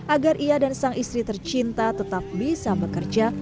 agar ia dan sang istri tercinta tetap bisa bekerja